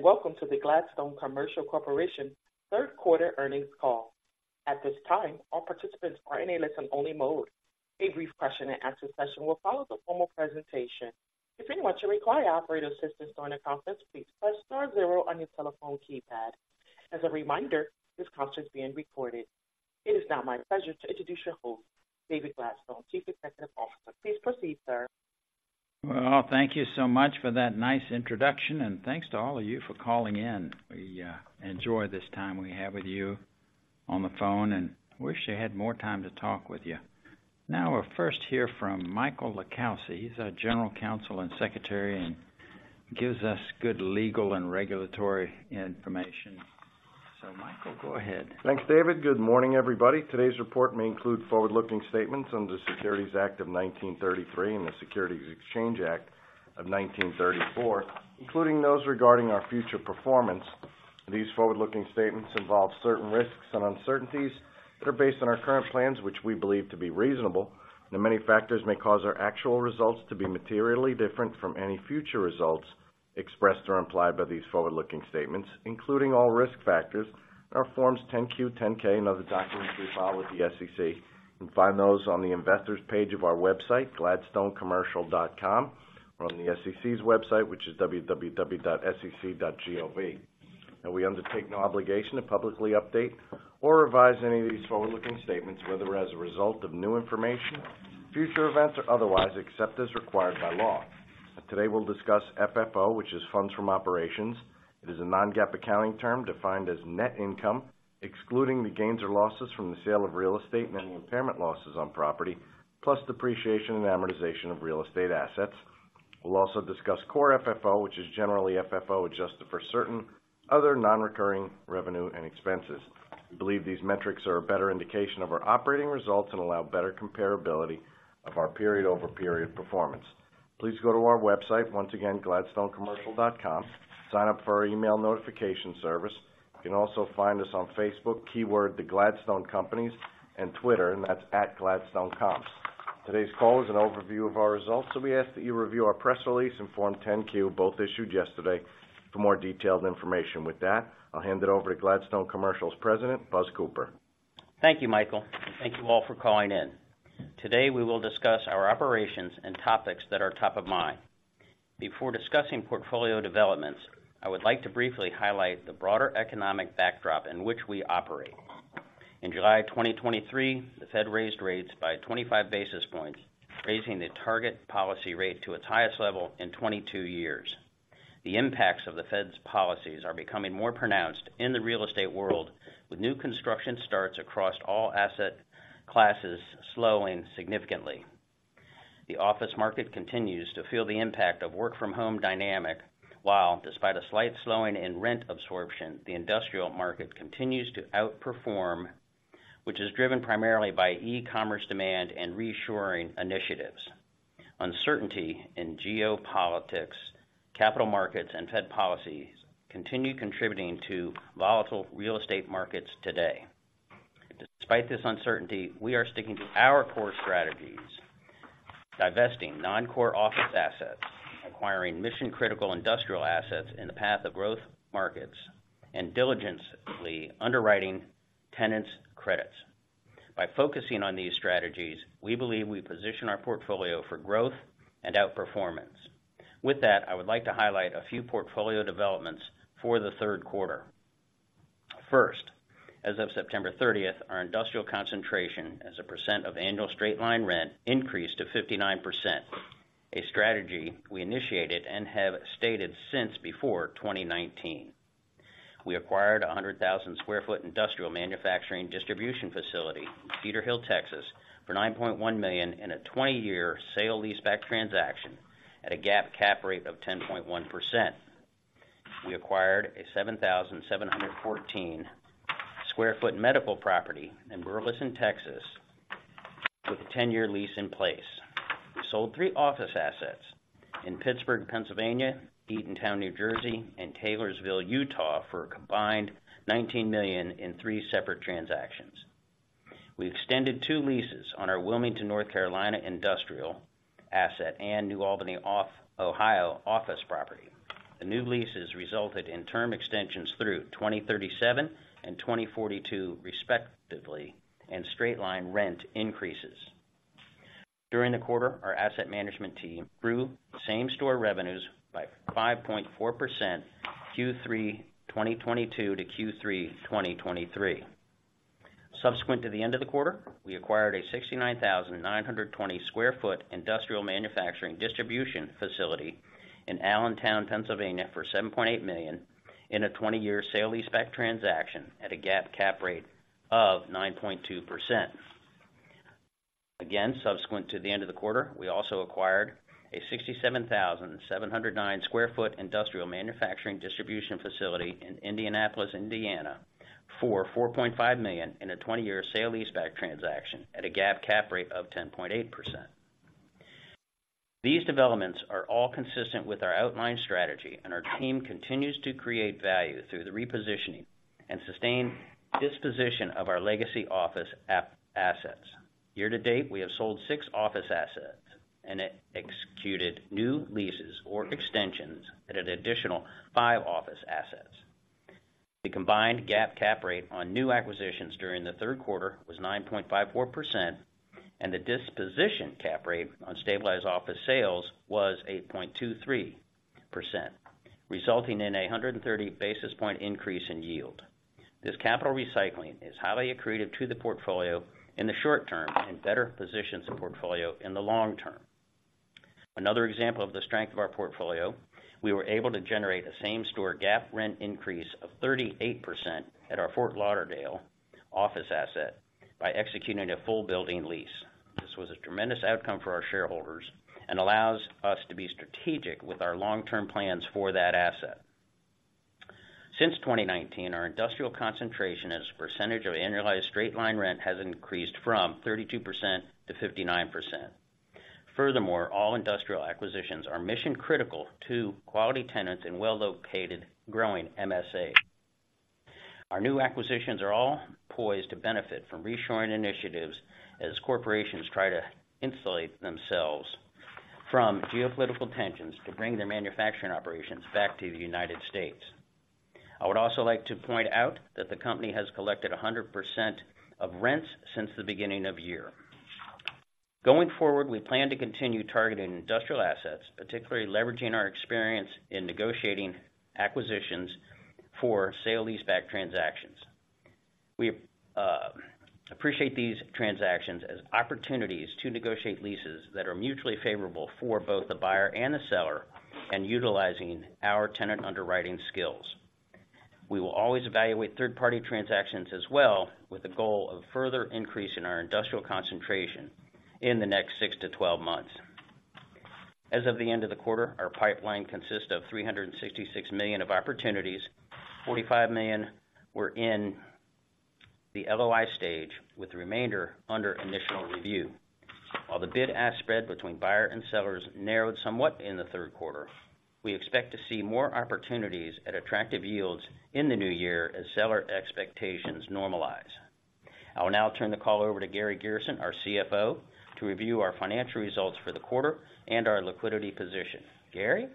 Greetings, and welcome to the Gladstone Commercial Corporation third quarter earnings call. At this time, all participants are in a listen-only mode. A brief question-and-answer session will follow the formal presentation. If anyone should require operator assistance during the conference, please press star zero on your telephone keypad. As a reminder, this conference is being recorded. It is now my pleasure to introduce your host, David Gladstone, Chief Executive Officer. Please proceed, sir. Well, thank you so much for that nice introduction, and thanks to all of you for calling in. We enjoy this time we have with you on the phone, and wish I had more time to talk with you. Now, we'll first hear from Michael LiCalsi. He's our General Counsel and Secretary, and gives us good legal and regulatory information. So Michael, go ahead. Thanks, David. Good morning, everybody. Today's report may include forward-looking statements under the Securities Act of 1933 and the Securities Exchange Act of 1934, including those regarding our future performance. These forward-looking statements involve certain risks and uncertainties that are based on our current plans, which we believe to be reasonable. Many factors may cause our actual results to be materially different from any future results expressed or implied by these forward-looking statements, including all risk factors in our Forms 10-Q, 10-K, and other documents we file with the SEC. You can find those on the investors page of our website, gladstonecommercial.com, or on the SEC's website, which is www.sec.gov. We undertake no obligation to publicly update or revise any of these forward-looking statements, whether as a result of new information, future events, or otherwise, except as required by law. Today, we'll discuss FFO, which is funds from operations. It is a non-GAAP accounting term defined as net income, excluding the gains or losses from the sale of real estate and any impairment losses on property, plus depreciation and amortization of real estate assets. We'll also discuss core FFO, which is generally FFO, adjusted for certain other non-recurring revenue and expenses. We believe these metrics are a better indication of our operating results and allow better comparability of our period-over-period performance. Please go to our website, once again, gladstonecommercial.com. Sign up for our email notification service. You can also find us on Facebook, keyword, The Gladstone Companies, and Twitter, and that's, @gladstonecom. Today's call is an overview of our results, so we ask that you review our press release and Form 10-Q, both issued yesterday, for more detailed information. With that, I'll hand it over to Gladstone Commercial's President, Buzz Cooper. Thank you, Michael, and thank you all for calling in. Today, we will discuss our operations and topics that are top of mind. Before discussing portfolio developments, I would like to briefly highlight the broader economic backdrop in which we operate. In July 2023, the Fed raised rates by 25 basis points, raising the target policy rate to its highest level in 22 years. The impacts of the Fed's policies are becoming more pronounced in the real estate world, with new construction starts across all asset classes slowing significantly. The office market continues to feel the impact of work-from-home dynamic, while despite a slight slowing in rent absorption, the industrial market continues to outperform, which is driven primarily by e-commerce demand and reshoring initiatives. Uncertainty in geopolitics, capital markets, and Fed policies continue contributing to volatile real estate markets today. Despite this uncertainty, we are sticking to our core strategies, divesting non-core office assets, acquiring mission-critical industrial assets in the path of growth markets, and diligently underwriting tenants' credits. By focusing on these strategies, we believe we position our portfolio for growth and outperformance. With that, I would like to highlight a few portfolio developments for the third quarter. First, as of September thirtieth, our industrial concentration as a percent of annual straight-line rent increased to 59%, a strategy we initiated and have stated since before 2019. We acquired a 100,000 sq ft industrial manufacturing distribution facility in Cedar Hill, Texas, for $9.1 million in a 20-year sale-leaseback transaction at a GAAP cap Rate of 10.1%. We acquired a 7,714 sq ft medical property in Burleson, Texas, with a 10-year lease in place. We sold three office assets in Pittsburgh, Pennsylvania, Eatontown, New Jersey, and Taylorsville, Utah, for a combined $19 million in three separate transactions. We extended two leases on our Wilmington, North Carolina, industrial asset and New Albany, Ohio, office property. The new leases resulted in term extensions through 2037 and 2042, respectively, and straight-line rent increases. During the quarter, our asset management team grew same-store revenues by 5.4%, Q3 2022 to Q3 2023. Subsequent to the end of the quarter, we acquired a 69,920 sq ft industrial manufacturing distribution facility in Allentown, Pennsylvania, for $7.8 million in a 20-year sale-leaseback transaction at a GAAP cap rate of 9.2%. Again, subsequent to the end of the quarter, we also acquired a 67,709 sq ft industrial manufacturing distribution facility in Indianapolis, Indiana, for $4.5 million in a 20-year sale-leaseback transaction at a GAAP cap rate of 10.8%. These developments are all consistent with our outlined strategy, and our team continues to create value through the repositioning and sustained disposition of our legacy office assets. Year-to-date, we have sold six office assets and executed new leases or extensions at an additional five office assets. The combined GAAP cap rate on new acquisitions during the third quarter was 9.54%, and the disposition cap rate on stabilized office sales was 8.23%, resulting in a 130 basis point increase in yield. This capital recycling is highly accretive to the portfolio in the short term and better positions the portfolio in the long term. Another example of the strength of our portfolio, we were able to generate a same-store GAAP rent increase of 38% at our Fort Lauderdale office asset by executing a full building lease. This was a tremendous outcome for our shareholders and allows us to be strategic with our long-term plans for that asset. Since 2019, our industrial concentration as a percentage of annualized straight-line rent has increased from 32% to 59%. Furthermore, all industrial acquisitions are mission-critical to quality tenants in well-located, growing MSAs. Our new acquisitions are all poised to benefit from reshoring initiatives as corporations try to insulate themselves from geopolitical tensions to bring their manufacturing operations back to the United States. I would also like to point out that the company has collected 100% of rents since the beginning of the year. Going forward, we plan to continue targeting industrial assets, particularly leveraging our experience in negotiating acquisitions for sale-leaseback transactions. We appreciate these transactions as opportunities to negotiate leases that are mutually favorable for both the buyer and the seller, and utilizing our tenant underwriting skills. We will always evaluate third-party transactions as well, with the goal of further increasing our industrial concentration in the next 6-12 months. As of the end of the quarter, our pipeline consists of $366 million of opportunities. $45 million were in the LOI stage, with the remainder under initial review. While the bid-ask spread between buyer and sellers narrowed somewhat in the third quarter, we expect to see more opportunities at attractive yields in the new year as seller expectations normalize. I will now turn the call over to Gary Gerson, our CFO, to review our financial results for the quarter and our liquidity position. Gary?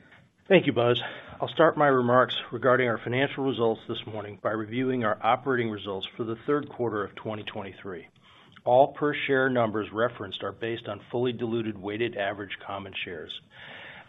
Thank you, Buzz. I'll start my remarks regarding our financial results this morning by reviewing our operating results for the third quarter of 2023. All per share numbers referenced are based on fully diluted weighted average common shares.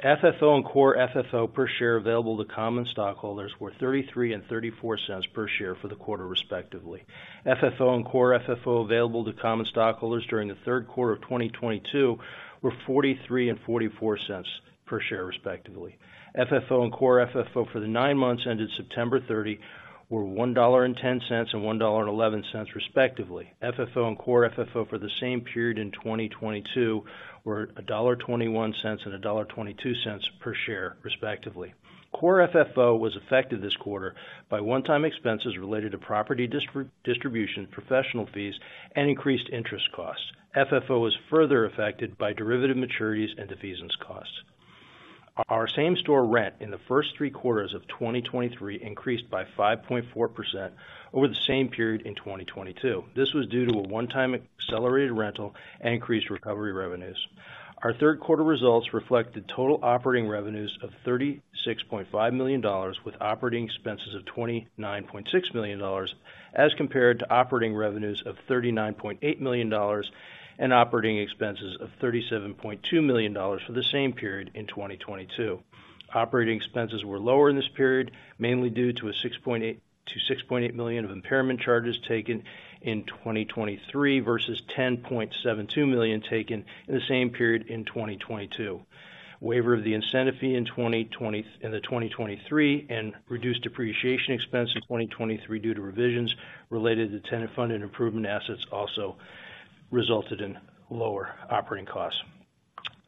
FFO and core FFO per share available to common stockholders were 33 and 34 cents per share for the quarter, respectively. FFO and core FFO available to common stockholders during the third quarter of 2022 were 43 and 44 cents per share, respectively. FFO and core FFO for the nine months ended September 30 were $1.10 and $1.11, respectively. FFO and core FFO for the same period in 2022 were $1.21 and $1.22 per share, respectively. Core FFO was affected this quarter by one-time expenses related to property disposition, professional fees, and increased interest costs. FFO was further affected by derivative maturities and defeasance costs. Our same-store rent in the first three quarters of 2023 increased by 5.4% over the same period in 2022. This was due to a one-time accelerated rental and increased recovery revenues. Our third quarter results reflected total operating revenues of $36.5 million, with operating expenses of $29.6 million, as compared to operating revenues of $39.8 million and operating expenses of $37.2 million for the same period in 2022. Operating expenses were lower in this period, mainly due to $6.8 million of impairment charges taken in 2023, versus $10.72 million taken in the same period in 2022. Waiver of the incentive fee in 2023, and reduced depreciation expense in 2023 due to revisions related to tenant-funded improvement assets also resulted in lower operating costs.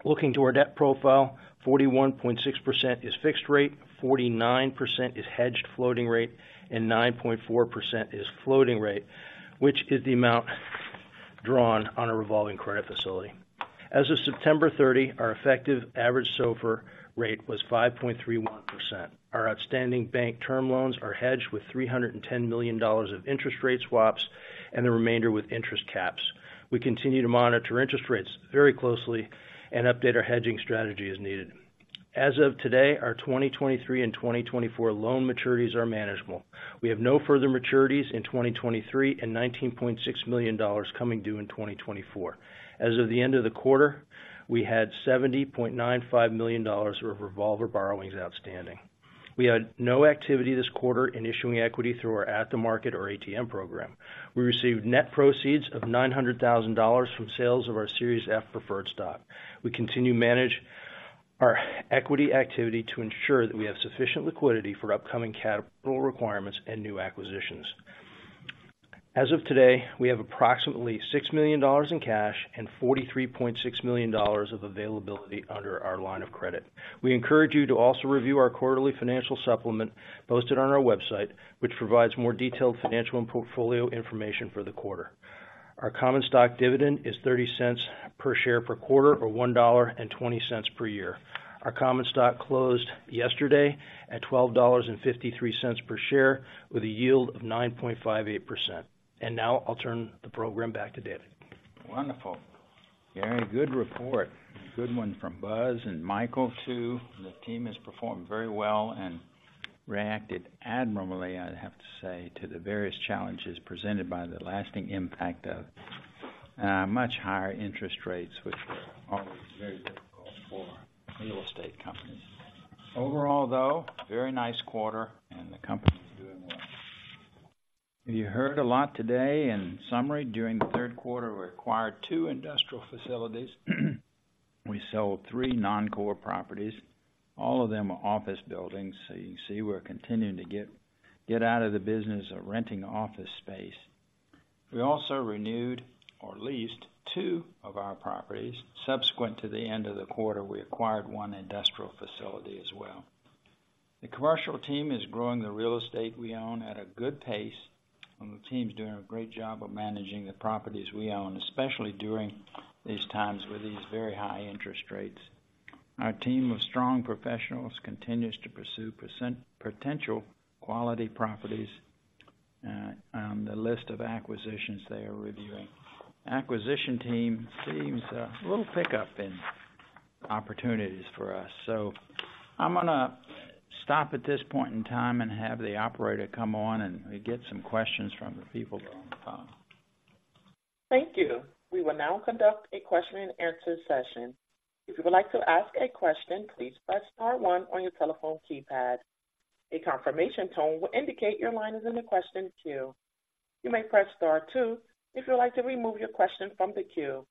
Looking to our debt profile, 41.6% is fixed rate, 49% is hedged floating rate, and 9.4% is floating rate, which is the amount drawn on a revolving credit facility. As of September 30, our effective average SOFR rate was 5.31%. Our outstanding bank term loans are hedged with $310 million of interest rate swaps, and the remainder with interest caps. We continue to monitor interest rates very closely and update our hedging strategy as needed. As of today, our 2023 and 2024 loan maturities are manageable. We have no further maturities in 2023 and $19.6 million coming due in 2024. As of the end of the quarter, we had $70.95 million of revolver borrowings outstanding. We had no activity this quarter in issuing equity through our at-the-market or ATM program. We received net proceeds of $900,000 from sales of our Series F preferred stock. We continue to manage our equity activity to ensure that we have sufficient liquidity for upcoming capital requirements and new acquisitions. As of today, we have approximately $6 million in cash and $43.6 million of availability under our line of credit. We encourage you to also review our quarterly financial supplement posted on our website, which provides more detailed financial and portfolio information for the quarter. Our common stock dividend is $0.30 per share per quarter, or $1.20 per year. Our common stock closed yesterday at $12.53 per share, with a yield of 9.58%. Now I'll turn the program back to David. Wonderful! Gary, good report. Good one from Buzz and Michael, too. The team has performed very well and reacted admirably, I'd have to say, to the various challenges presented by the lasting impact of much higher interest rates, which were always very difficult for real estate companies. Overall, though, very nice quarter and the company is doing well. You heard a lot today. In summary, during the third quarter, we acquired two industrial facilities. We sold three non-core properties, all of them are office buildings. So you can see we're continuing to get out of the business of renting office space. We also renewed or leased two of our properties. Subsequent to the end of the quarter, we acquired one industrial facility as well. The commercial team is growing the real estate we own at a good pace, and the team's doing a great job of managing the properties we own, especially during these times with these very high interest rates. Our team of strong professionals continues to pursue high-potential quality properties on the list of acquisitions they are reviewing. Acquisition team sees a little pickup in opportunities for us. So I'm gonna stop at this point in time and have the operator come on and we get some questions from the people on the call. Thank you. We will now conduct a question and answer session. If you would like to ask a question, please press star one on your telephone keypad. A confirmation tone will indicate your line is in the question queue. You may press star two if you'd like to remove your question from the queue.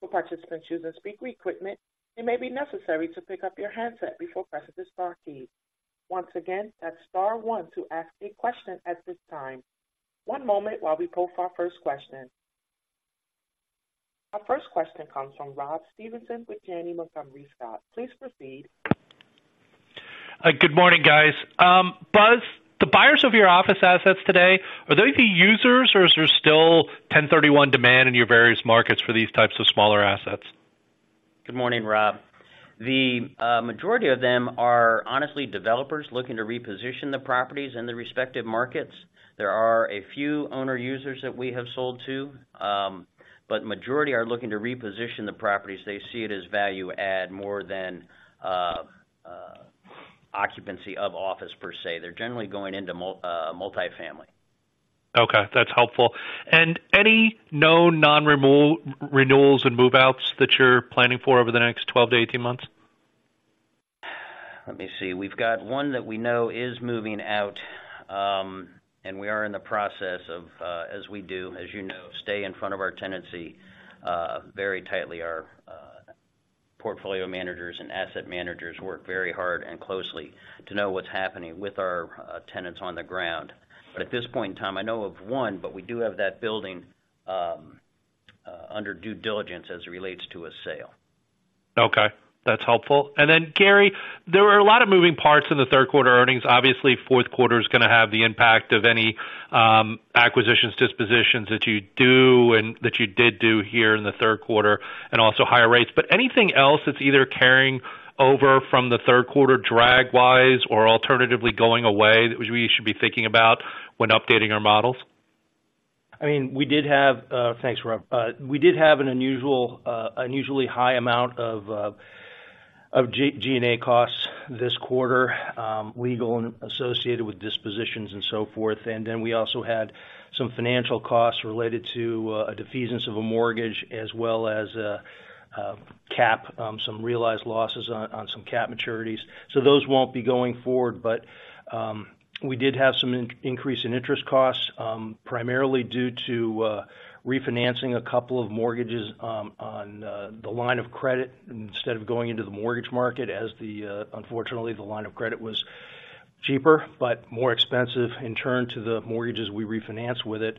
For participants using speaker equipment, it may be necessary to pick up your handset before pressing the star key. Once again, that's star one to ask a question at this time. One moment while we poll for our first question. Our first question comes from Rob Stevenson with Janney Montgomery Scott. Please proceed. Good morning, guys. Buzz, the buyers of your office assets today, are they the users, or is there still 1031 demand in your various markets for these types of smaller assets? Good morning, Rob. The majority of them are honestly developers looking to reposition the properties in the respective markets. There are a few owner users that we have sold to, but majority are looking to reposition the properties. They see it as value add more than occupancy of office per se. They're generally going into multifamily. Okay, that's helpful. Any known non-renewals and move-outs that you're planning for over the next 12-18 months? Let me see. We've got one that we know is moving out, and we are in the process of, as we do, as you know, stay in front of our tenancy very tightly. Our portfolio managers and asset managers work very hard and closely to know what's happening with our tenants on the ground. But at this point in time, I know of one, but we do have that building under due diligence as it relates to a sale. Okay, that's helpful. And then, Gary, there were a lot of moving parts in the third quarter earnings. Obviously, fourth quarter is gonna have the impact of any, acquisitions, dispositions that you do and that you did do here in the third quarter, and also higher rates. But anything else that's either carrying over from the third quarter drag-wise or alternatively, going away, that we should be thinking about when updating our models? I mean, we did have... Thanks, Rob. We did have an unusual, unusually high amount of G&A costs this quarter, legal and associated with dispositions and so forth. And then we also had some financial costs related to a defeasance of a mortgage, as well as CAP, some realized losses on some CAP maturities. So those won't be going forward, but we did have some increase in interest costs, primarily due to refinancing a couple of mortgages on the line of credit, instead of going into the mortgage market as the unfortunately, the line of credit was cheaper, but more expensive in turn to the mortgages we refinance with it.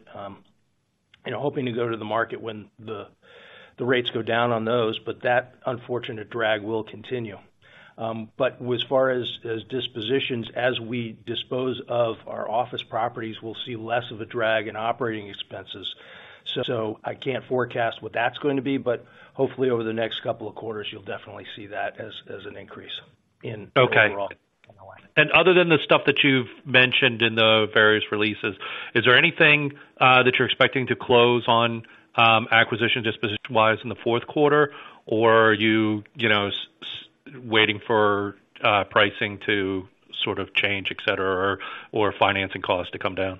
And hoping to go to the market when the rates go down on those, but that unfortunate drag will continue. But as far as dispositions, as we dispose of our office properties, we'll see less of a drag in operating expenses. So, I can't forecast what that's going to be, but hopefully over the next couple of quarters, you'll definitely see that as an increase in- Okay. Overall. Other than the stuff that you've mentioned in the various releases, is there anything that you're expecting to close on acquisition, disposition-wise in the fourth quarter? Or are you, you know, waiting for pricing to sort of change, et cetera, or financing costs to come down?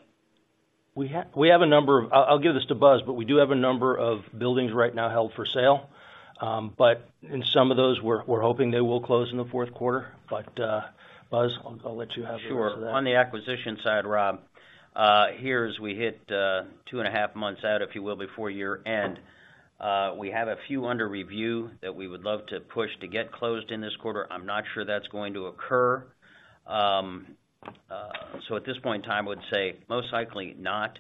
We have a number of... I'll give this to Buzz, but we do have a number of buildings right now held for sale. But in some of those, we're hoping they will close in the fourth quarter. But, Buzz, I'll let you have the rest of that. Sure. On the acquisition side, Rob, here, as we hit 2.5 months out, if you will, before year-end, we have a few under review that we would love to push to get closed in this quarter. I'm not sure that's going to occur. So at this point in time, I would say most likely not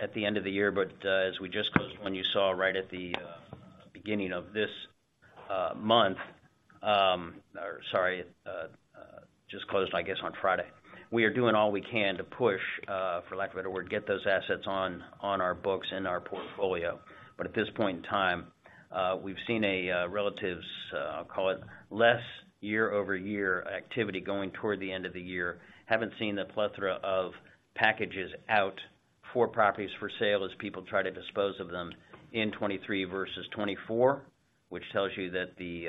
at the end of the year, but as we just closed, when you saw right at the beginning of this month, or sorry, just closed, I guess, on Friday. We are doing all we can to push, for lack of a better word, get those assets on our books and our portfolio. But at this point in time, we've seen a relatively less year-over-year activity going toward the end of the year. Haven't seen the plethora of packages, four properties for sale as people try to dispose of them in 2023 versus 2024, which tells you that the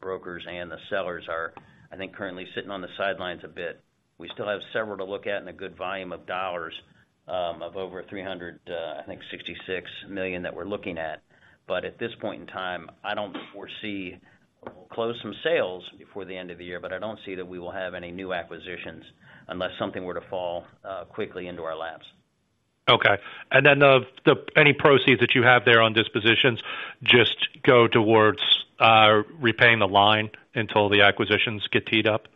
brokers and the sellers are, I think, currently sitting on the sidelines a bit. We still have several to look at and a good volume of dollars of over $366 million that we're looking at. But at this point in time, I don't foresee we'll close some sales before the end of the year, but I don't see that we will have any new acquisitions unless something were to fall quickly into our laps. Okay. And then any proceeds that you have there on dispositions, just go towards repaying the line until the acquisitions get teed up?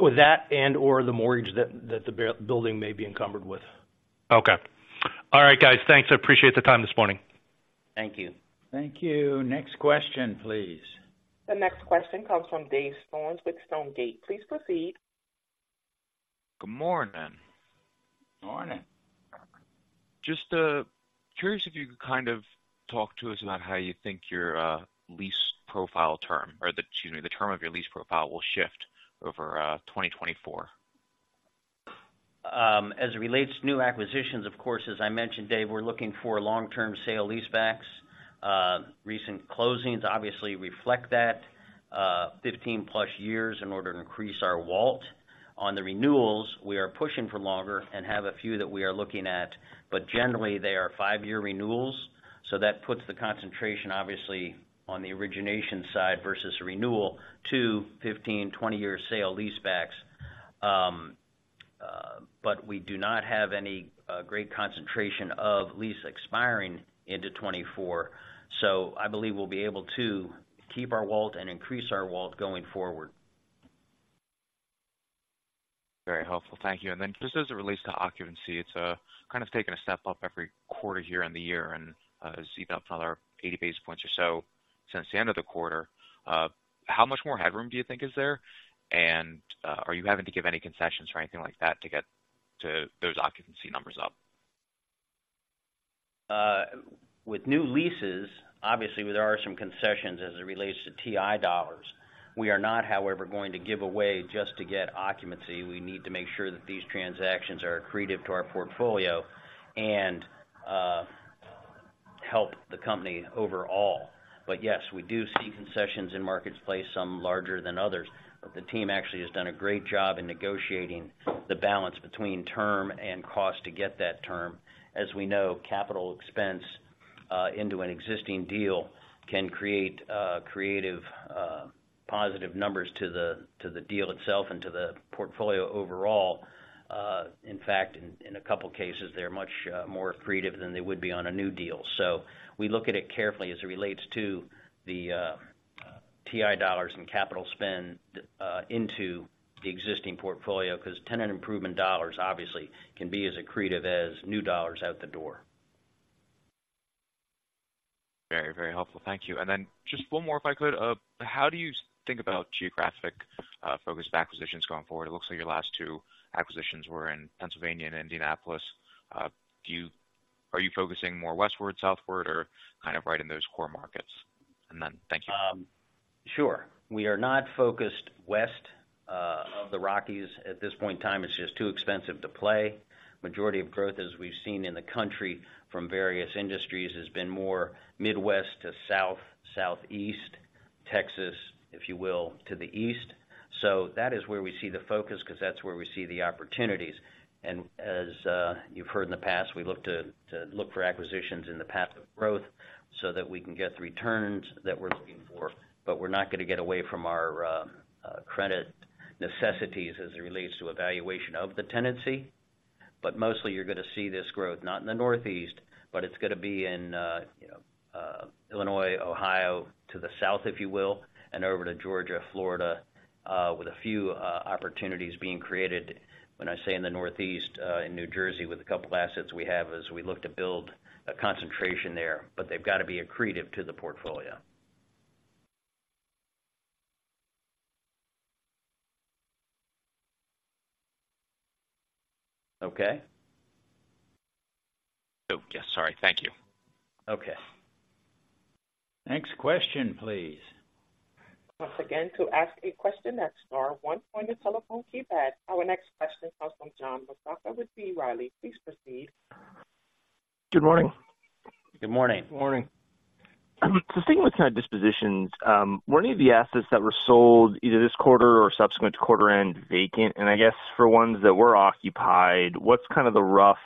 with that and/or the mortgage that the building may be encumbered with. Okay. All right, guys. Thanks. I appreciate the time this morning. Thank you. Thank you. Next question, please. The next question comes from Dave Storms with Stonegate. Please proceed. Good morning. Morning. Just curious if you could kind of talk to us about how you think your lease profile term or the, excuse me, the term of your lease profile will shift over 2024? As it relates to new acquisitions, of course, as I mentioned, Dave, we're looking for long-term sale-leasebacks. Recent closings obviously reflect that, 15+ years in order to increase our WALT. On the renewals, we are pushing for longer and have a few that we are looking at, but generally, they are 5-year renewals, so that puts the concentration, obviously, on the origination side versus renewal to 15, 20 years sale-leasebacks. But we do not have any great concentration of lease expiring into 2024, so I believe we'll be able to keep our WALT and increase our WALT going forward. Very helpful. Thank you. And then just as it relates to occupancy, it's kind of taken a step up every quarter here in the year and, as you've got another 80 basis points or so since the end of the quarter. How much more headroom do you think is there? And, are you having to give any concessions or anything like that to get to those occupancy numbers up? With new leases, obviously, there are some concessions as it relates to TI dollars. We are not, however, going to give away just to get occupancy. We need to make sure that these transactions are accretive to our portfolio and help the company overall. But yes, we do see concessions in markets play, some larger than others, but the team actually has done a great job in negotiating the balance between term and cost to get that term. As we know, capital expense into an existing deal can create creative positive numbers to the deal itself and to the portfolio overall. In fact, in a couple of cases, they're much more accretive than they would be on a new deal. So we look at it carefully as it relates to the TI dollars and capital spend into the existing portfolio, because tenant improvement dollars, obviously, can be as accretive as new dollars out the door. Very, very helpful. Thank you. And then just one more, if I could. How do you think about geographic focus of acquisitions going forward? It looks like your last two acquisitions were in Pennsylvania and Indianapolis. Are you focusing more westward, southward, or kind of right in those core markets? And then... thank you. Sure. We are not focused west of the Rockies at this point in time. It's just too expensive to play. Majority of growth, as we've seen in the country from various industries, has been more Midwest to South, Southeast, Texas, if you will, to the east. So that is where we see the focus because that's where we see the opportunities. And as you've heard in the past, we look to look for acquisitions in the path of growth so that we can get the returns that we're looking for. But we're not going to get away from our credit necessities as it relates to evaluation of the tenancy. But mostly, you're going to see this growth, not in the Northeast, but it's going to be in, you know, Illinois, Ohio, to the south, if you will, and over to Georgia, Florida, with a few opportunities being created, when I say in the Northeast, in New Jersey, with a couple of assets we have as we look to build a concentration there, but they've got to be accretive to the portfolio. Okay? Oh, yes, sorry. Thank you. Okay. Next question, please. Once again, to ask a question, star one on your telephone keypad. Our next question comes from John Massocca with B. Riley. Please proceed. Good morning. Good morning. Good morning. So sticking with kind of dispositions, were any of the assets that were sold either this quarter or subsequent to quarter end, vacant? And I guess for ones that were occupied, what's kind of the rough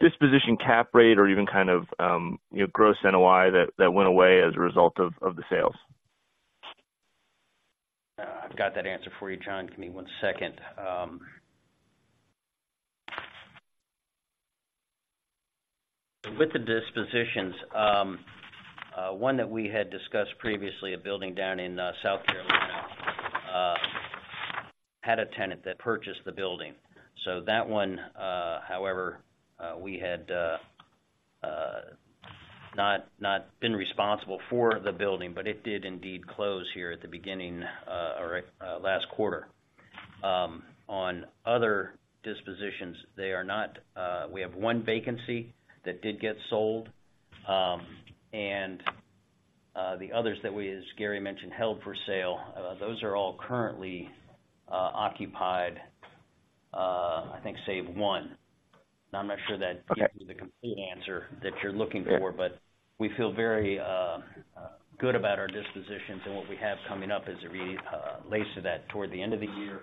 disposition cap rate or even kind of, you know, gross NOI that went away as a result of the sales? I've got that answer for you, John. Give me one second. With the dispositions, one that we had discussed previously, a building down in South Carolina, had a tenant that purchased the building. So that one, however, we had not been responsible for the building, but it did indeed close here at the beginning, or last quarter. On other dispositions, they are not... We have one vacancy that did get sold, and the others that we, as Gary mentioned, held for sale, those are all currently occupied, I think, save one. Now, I'm not sure that gives you- Okay. the complete answer that you're looking for, but we feel very good about our dispositions and what we have coming up as it relates to that toward the end of the year,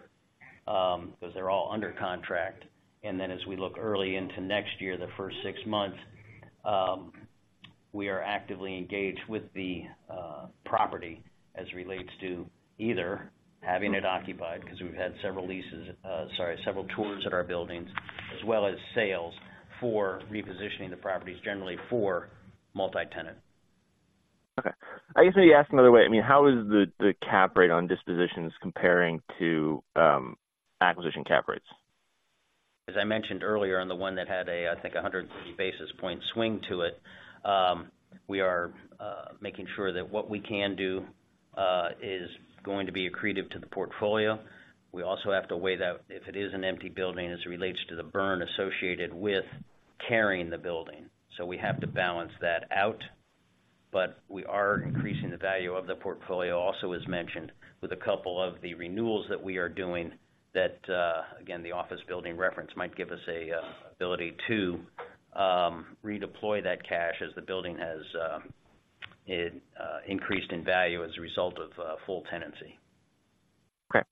because they're all under contract. And then as we look early into next year, the first six months, we are actively engaged with the property as it relates to either having it occupied, because we've had several leases, sorry, several tours at our buildings, as well as sales for repositioning the properties generally for multi-tenant. Okay. I guess, let me ask another way. I mean, how is the cap rate on dispositions comparing to acquisition cap rates? As I mentioned earlier, on the one that had a, I think, 100 basis point swing to it, we are making sure that what we can do is going to be accretive to the portfolio. We also have to weigh that if it is an empty building, as it relates to the burn associated with carrying the building. So we have to balance that out, but we are increasing the value of the portfolio. Also, as mentioned, with a couple of the renewals that we are doing, that again, the office building reference might give us an ability to redeploy that cash as the building has increased in value as a result of full tenancy. Okay.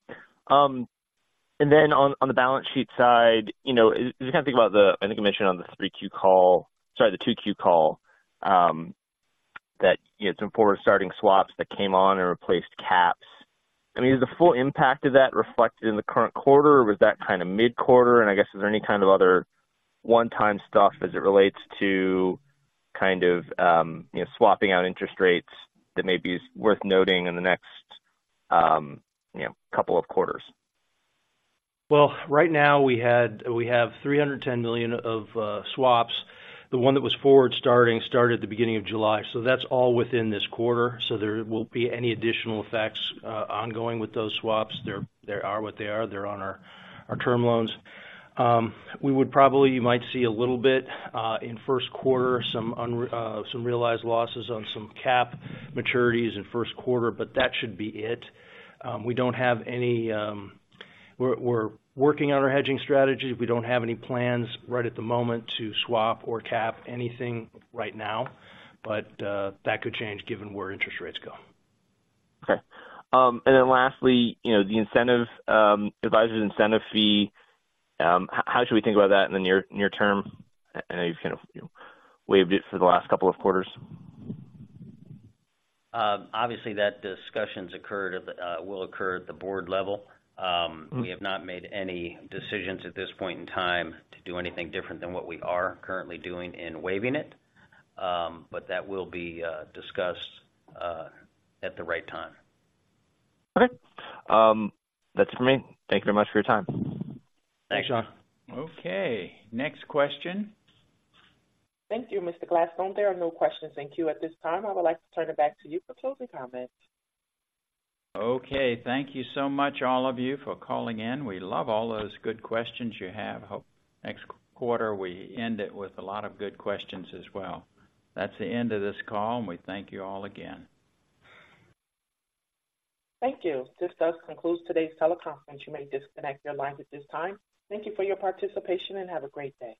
And then on the balance sheet side, you know, if you kind of think about the I think you mentioned on the 3Q call, sorry, the 2Q call, that, you know, some forward-starting swaps that came on and replaced caps. I mean, is the full impact of that reflected in the current quarter, or was that kind of mid-quarter? And I guess, is there any kind of other one-time stuff as it relates to kind of, you know, swapping out interest rates that may be worth noting in the next, you know, couple of quarters? Well, right now we have $310 million of swaps. The one that was forward starting, started at the beginning of July, so that's all within this quarter, so there won't be any additional effects ongoing with those swaps. They're, they are what they are. They're on our term loans. We would probably, you might see a little bit in first quarter, some realized losses on some cap maturities in first quarter, but that should be it. We're working on our hedging strategy. We don't have any plans right at the moment to swap or cap anything right now, but that could change given where interest rates go. Okay. And then lastly, you know, the incentive advisors' incentive fee, how should we think about that in the near term? I know you've kind of, you know, waived it for the last couple of quarters. Obviously, that discussion will occur at the board level. We have not made any decisions at this point in time to do anything different than what we are currently doing in waiving it. But that will be discussed at the right time. Okay. That's it for me. Thank you very much for your time. Thanks, John. Okay, next question. Thank you, Mr. Gladstone. There are no questions in queue at this time. I would like to turn it back to you for closing comments. Okay, thank you so much, all of you, for calling in. We love all those good questions you have. Hope next quarter, we end it with a lot of good questions as well. That's the end of this call, and we thank you all again. Thank you. This does conclude today's teleconference. You may disconnect your lines at this time. Thank you for your participation, and have a great day.